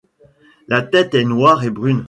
La tête est noire et brune.